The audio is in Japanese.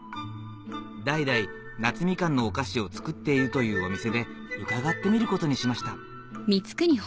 代々夏みかんのお菓子を作っているというお店で伺ってみることにしました